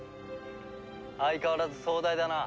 相変わらず壮大だな。